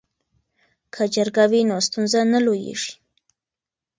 که جرګه وي نو ستونزه نه لویږي.